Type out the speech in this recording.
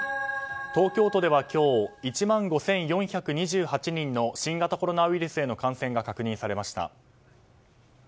東京都では今日１万５４２８人の新型コロナウイルスへの感染が確認されました。